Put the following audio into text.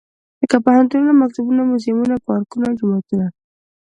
لکه پوهنتونه ، مکتبونه موزيمونه، پارکونه ، جوماتونه.